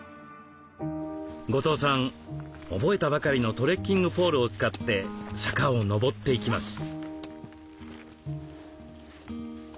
後藤さん覚えたばかりのトレッキングポールを使って坂をのぼっていきます。